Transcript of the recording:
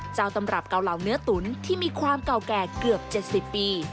ตำรับเก่าเหล่าเนื้อตุ๋นที่มีความเก่าแก่เกือบ๗๐ปี